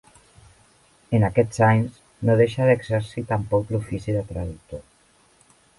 En aquests anys no deixa d'exercir tampoc l'ofici de traductor.